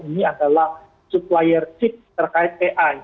ini adalah supplier chip terkait ai